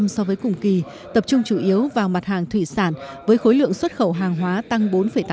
một mươi so với cùng kỳ tập trung chủ yếu vào mặt hàng thủy sản với khối lượng xuất khẩu hàng hóa tăng